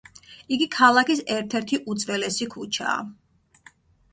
იგი ქალაქის ერთ-ერთი უძველესი ქუჩაა.